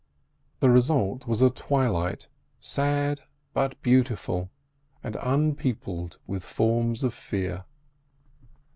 The result was a twilight sad, but beautiful, and unpeopled with forms of fear.